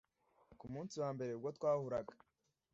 kumunsi wa mbere ubwo twahuraga